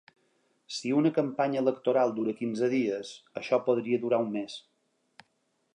Si una campanya electoral dura quinze dies, això podria durar un mes.